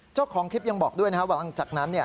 เจ้าของคลิปยังบอกด้วยนะครับว่าหลังจากนั้น